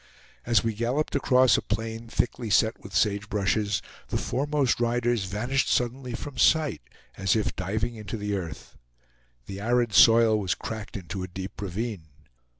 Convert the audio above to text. As we galloped across a plain thickly set with sagebushes, the foremost riders vanished suddenly from sight, as if diving into the earth. The arid soil was cracked into a deep ravine.